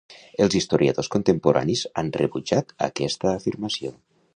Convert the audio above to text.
Els historiadors contemporanis han rebutjat aquesta afirmació.